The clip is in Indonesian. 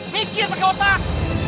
mikir pakai otak